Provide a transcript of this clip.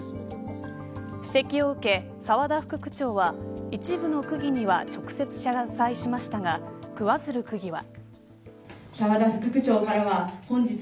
指摘を受け、澤田副区長は一部の区議には直接謝罪しましたが桑水流区議は。